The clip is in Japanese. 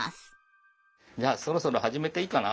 じゃあそろそろ始めていいかな？